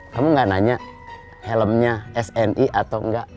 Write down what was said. kamu gak nanya helmnya sni atau enggak